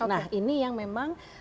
nah ini yang memang